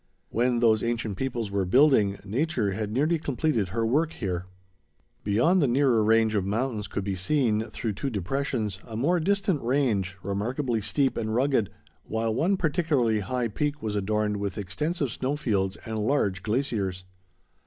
When those ancient peoples were building, nature had nearly completed her work here. [Illustration: Discovery of Paradise Valley.] Beyond the nearer range of mountains could be seen, through two depressions, a more distant range, remarkably steep and rugged, while one particularly high peak was adorned with extensive snow fields and large glaciers.